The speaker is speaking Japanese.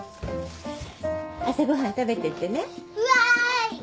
朝ご飯食べてってね。わい！